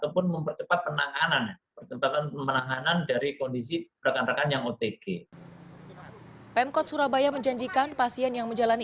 pemkot surabaya menjanjikan pasien yang menjalani